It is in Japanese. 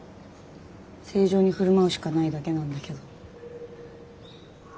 正常に振る舞うしかないだけなんだけど。